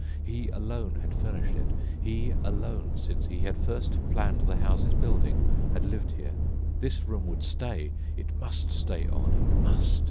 He alone had furnished it. He alone, since he had first planned the house's building, had lived here. This room would stay. It must stay on ... it must....